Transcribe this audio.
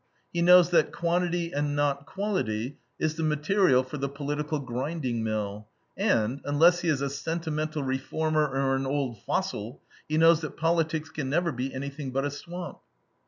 He knows that quantity and not quality is the material for the political grinding mill, and, unless he is a sentimental reformer or an old fossil, he knows that politics can never be anything but a swamp.